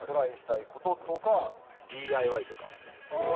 ＤＩＹとか。